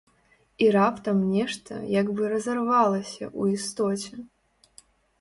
І раптам нешта як бы разарвалася ў істоце.